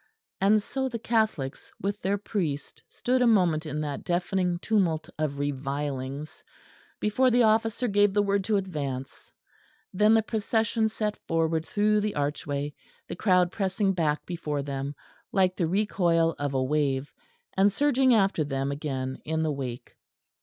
And so the Catholics with their priest stood a moment in that deafening tumult of revilings, before the officer gave the word to advance. Then the procession set forward through the archway; the crowd pressing back before them, like the recoil of a wave, and surging after them again in the wake.